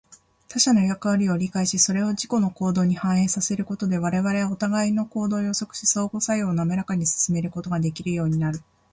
他者の役割を理解し、それを自己の行動に反映させることで、我々はお互いの行動を予測し、相互作用をなめらかに進めることができるようになる。